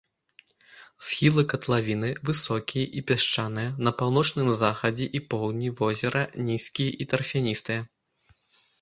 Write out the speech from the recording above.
Схілы катлавіны высокія і пясчаныя, на паўночным захадзе і поўдні возера нізкія і тарфяністыя.